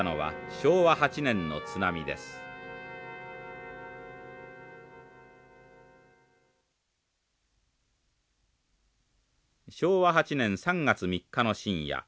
昭和８年３月３日の深夜。